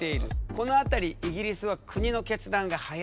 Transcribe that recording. この辺りイギリスは国の決断が早い。